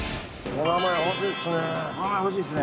お名前欲しいですね。